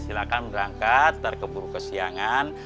silahkan berangkat nanti keburu kesiangan